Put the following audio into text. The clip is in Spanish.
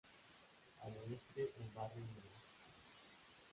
Al Oeste el Barrio Miramar.